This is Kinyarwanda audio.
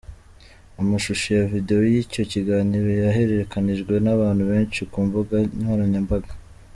Amashusho ya videwo y'icyo kiganiro yaharerekanijwe n'abantu benshi ku mbuga nkoranyambaga.